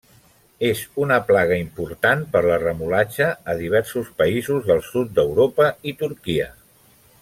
És una plaga important per la remolatxa a diversos països del sud d'Europa i Turquia.